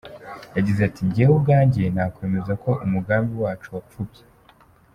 Yagize ati “ Njyewe ubwanjye, nakwemeza ko umugambi wacu wapfubye.